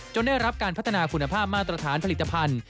ได้รับการพัฒนาคุณภาพมาตรฐานผลิตภัณฑ์